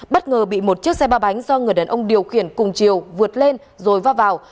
bất ngờ bị một chiếc xe ba bánh do người đàn ông điều khiển cùng chiều vượt lên rồi va vào